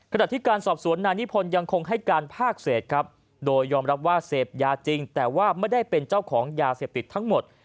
ขณะที่การสอบสวนนายนิพนธ์ยังคงให้การภาคเศษครับโดยยอมรับว่าเสพยาจริงแต่ว่าไม่ได้เป็นเจ้าของยาเสพติดทั้งหมด